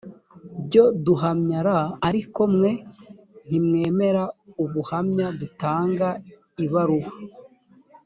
byo duhamya r ariko mwe ntimwemera ubuhamya dutanga ibaruwa